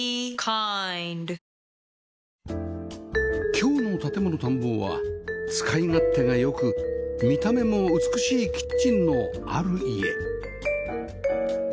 今日の『建もの探訪』は使い勝手が良く見た目も美しいキッチンのある家